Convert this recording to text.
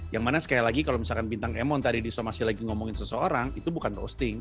yang mana sekali lagi kalau misalkan bintang emon tadi disomasi lagi ngomongin seseorang itu bukan roasting